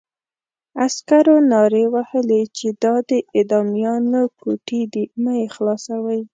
عسکرو نارې وهلې چې دا د اعدامیانو کوټې دي مه یې خلاصوئ.